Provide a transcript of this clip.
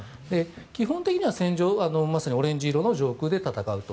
基本的には、まさにオレンジ色の上空で戦うと。